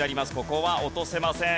ここは落とせません。